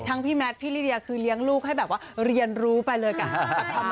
ทั้งพี่แมทพี่ลิเรียคือเลี้ยงลูกให้เรียนรู้ไปเลยกัน